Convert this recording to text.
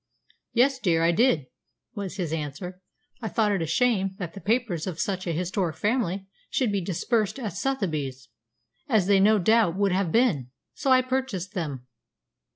"Yes, dear, I did," was his answer. "I thought it a shame that the papers of such a historic family should be dispersed at Sotheby's, as they no doubt would have been. So I purchased them."